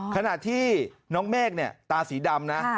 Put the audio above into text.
ขณะที่น้องเมฆเนี่ยตาสีดำนะ